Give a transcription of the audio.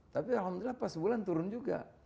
tapi alhamdulillah pas sebulan turun juga